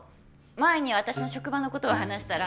前に私の職場のことを話したら。